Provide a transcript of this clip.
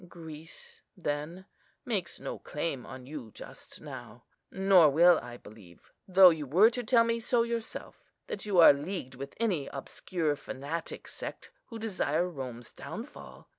Greece, then, makes no claim on you just now. Nor will I believe, though you were to tell me so yourself, that you are leagued with any obscure, fanatic sect who desire Rome's downfall.